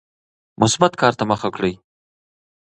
مثبت کار ته مخه کړئ.